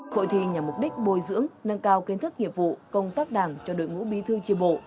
hội thi nhằm mục đích bồi dưỡng nâng cao kiến thức hiệp vụ công tác đảng cho đội ngũ bí thư tri bộ